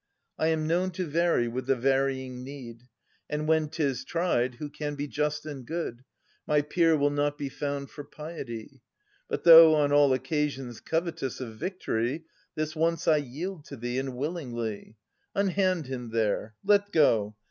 I am known to vary with the varying need ; And when 'tis tried, who can be just and good. My peer will not be found for piety. But though on all occasions covetous Of victory, this once I yield to thee, And willingly. Unhand him there. Let go